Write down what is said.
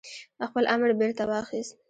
خپل امر بيرته واخيست